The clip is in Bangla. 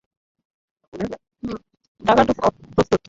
ড্যাগার টু, প্রস্তুত।